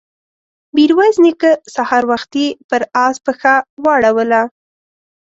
ميرويس نيکه سهار وختي پر آس پښه واړوله.